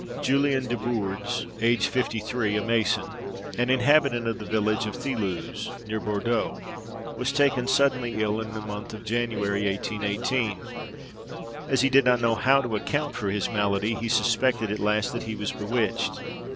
Julian Desbourdes, aged fifty three, a mason, and inhabitant of the village of Thilouze, near Bourdeaux, was taken suddenly ill, in the month of January 1818. As he did not know how to account for his malady, he suspected at last that he was bewitched.